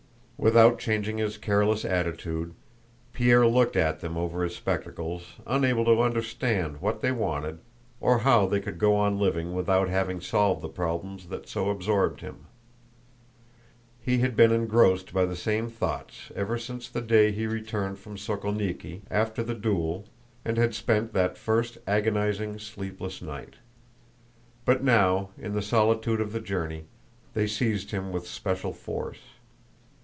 Without changing his careless attitude, Pierre looked at them over his spectacles unable to understand what they wanted or how they could go on living without having solved the problems that so absorbed him. He had been engrossed by the same thoughts ever since the day he returned from Sokólniki after the duel and had spent that first agonizing, sleepless night. But now, in the solitude of the journey, they seized him with special force.